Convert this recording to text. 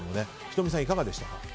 仁美さん、いかがでしたか？